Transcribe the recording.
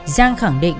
giang khẳng định